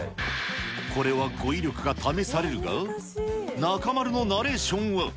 これは語彙力が試されるが、中丸のナレーションは。